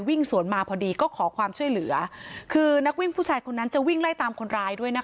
วิ่งสวนมาพอดีก็ขอความช่วยเหลือคือนักวิ่งผู้ชายคนนั้นจะวิ่งไล่ตามคนร้ายด้วยนะคะ